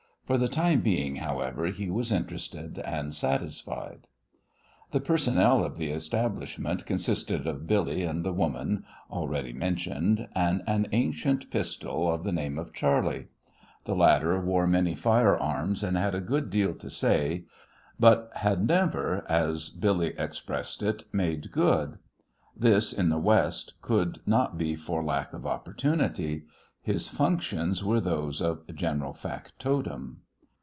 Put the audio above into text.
For the time being, however, he was interested and satisfied. The personnel of the establishment consisted of Billy and the woman, already mentioned, and an ancient Pistol of the name of Charley. The latter wore many firearms, and had a good deal to say, but had never, as Billy expressed it, "made good." This in the West could not be for lack of opportunity. His functions were those of general factotum.